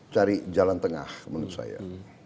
cari jalan tengah menurut saya